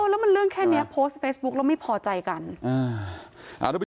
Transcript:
อ๋อแล้วมันเรื่องแค่เนี้ยโพสต์เฟซบุ๊กเราไม่พอใจกันอ่าเอาละ